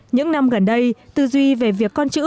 những năm gần đây tư duy về việc con chữ